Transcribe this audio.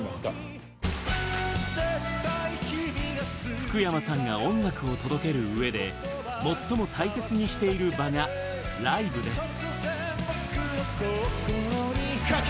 福山さんが音楽を届けるうえで最も大切にしている場がライブです。